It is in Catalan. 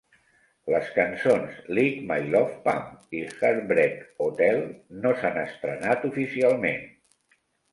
Les cançons "Lick My Love Pump" i "Heartbreak Hotel" no s'han estrenat oficialment.